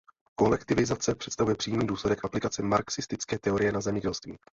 Kolektivizace představuje přímý důsledek aplikace marxistické teorie na zemědělství.